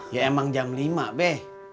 ya emang jam lima beh